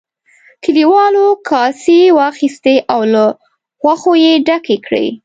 کليوالو کاسې واخیستې او له غوښو یې ډکې کړې.